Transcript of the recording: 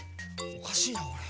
おかしいなこれ。